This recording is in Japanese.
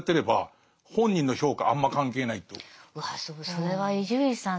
それは伊集院さん